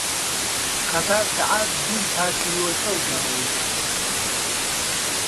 قەتار سەعات دووی پاش نیوەشەو دەڕۆیشت